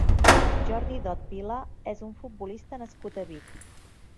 Jordi Dot Vila és un futbolista nascut a Vic.